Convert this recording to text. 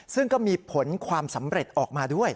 ซึ่งก็มีผลความสำเร็จออกมาด้วย